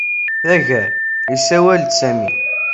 Tagara, yessawel-d Sami.